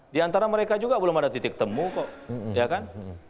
di antara mereka juga belum ada titik temu kok ya kan